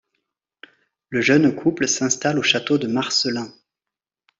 Le jeune couple s'installe au château de Marselin.